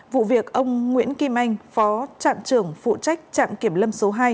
vụ việc ông nguyễn kim anh phó trạm trưởng phụ trách trạm kiểm lâm số hai